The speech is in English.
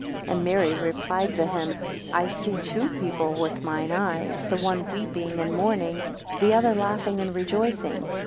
9 And Mary replied to him, I see two people with mine eyes, the one weeping and mourning, the other laughing and rejoicing.